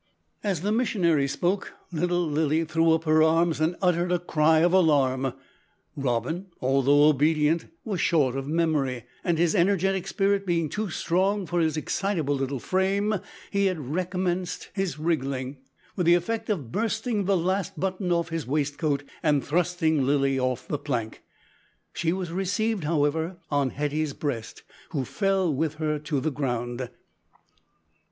As the missionary spoke little Lilly threw up her arms and uttered a cry of alarm. Robin, although obedient, was short of memory, and his energetic spirit being too strong for his excitable little frame he had recommenced his wriggling, with the effect of bursting the last button off his waistcoat and thrusting Lilly off the plank. She was received, however, on Hetty's breast, who fell with her to the ground.